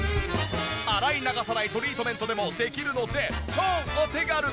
洗い流さないトリートメントでもできるので超お手軽です！